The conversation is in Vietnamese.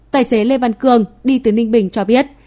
tài xế lê văn cương đi từ ninh bình cho biết